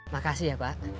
makasih ya pak